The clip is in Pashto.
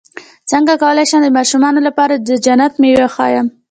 څنګه کولی شم د ماشومانو لپاره د جنت مېوې وښایم